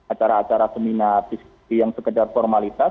acara acara seminar yang sekedar formalitas